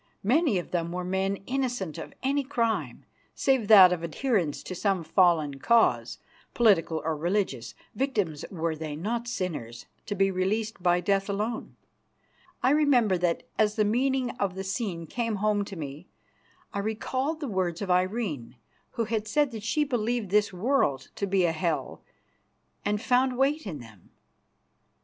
Many of them were men innocent of any crime, save that of adherence to some fallen cause, political or religious; victims were they, not sinners, to be released by death alone. I remember that, as the meaning of the scene came home to me, I recalled the words of Irene, who had said that she believed this world to be a hell, and found weight in them.